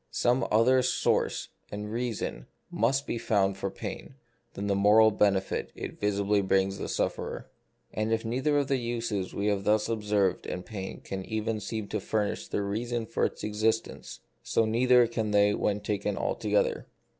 Some other source and reason must be found for pain than the moral benefit it visibly brings the sufferer. And if neither of the uses we have thus observed in pain can even seem to furnish the reason for its existence, so neither can they when taken altogether.